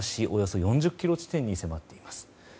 およそ４０ｋｍ地点に迫っています。